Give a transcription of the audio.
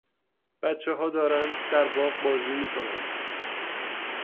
بچهها دارند در باغ بازی میکنند.